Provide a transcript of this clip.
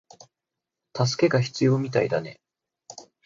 助けが必要みたいだね